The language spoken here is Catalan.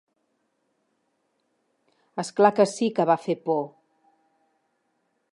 És clar que sí que va fer por.